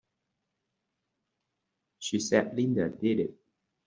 She said Linda did it!